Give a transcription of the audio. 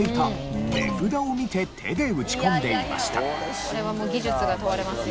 「これはもう技術が問われますよ」